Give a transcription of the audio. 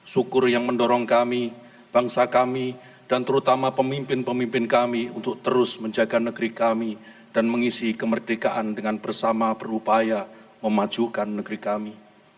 syukur yang mendorong kami bangsa kami dan terutama pemimpin pemimpin kami untuk terus menjaga negeri kami dan mengisi kemerdekaan dengan bersama berupaya memajukan negeri kami